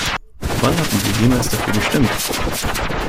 Wann hatten wir jemals dafür gestimmt?